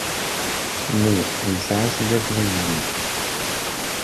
Mmi yesɛa aseggas d uzgen.